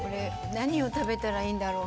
何を食べたらいいんだろう。